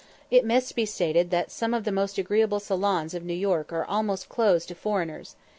It must be stated that some of the most agreeable salons of New York are almost closed against foreigners.